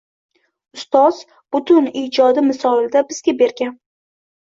Ustoz butun ijodi misolida bizga bergan.